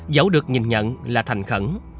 giấu được nhìn nhận là thành khẩn